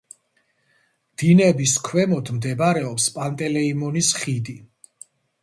დინების ქვემოთ მდებარეობს პანტელეიმონის ხიდი.